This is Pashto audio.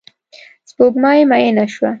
سپوږمۍ میینه شوه